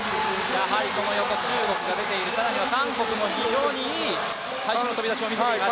やはりその横の中国が出ている更に韓国もいい飛び出しを見せてます。